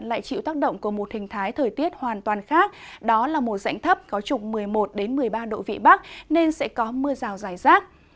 lại chịu tác động của một hình thái thời tiết hoàn toàn khác đó là mùa rãnh thấp có trục một mươi một một mươi ba độ vị bắc nên sẽ có mưa rào dài rác